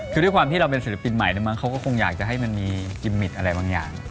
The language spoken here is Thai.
คือด้วยความที่เราเป็นศิลปินใหม่แล้วมั้งเขาก็คงอยากจะให้มันมีกิมมิดอะไรบางอย่าง